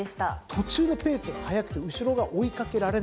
途中のペースが速くて後ろが追い掛けられない。